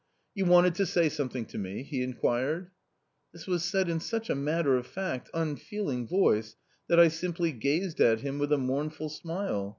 "You wanted to say something to me ?" he inquired. This was said in such a matter of fact, unfeeling voice that I simply gazed at him with a mournful smile.